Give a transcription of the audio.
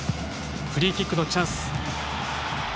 フリーキックのチャンス。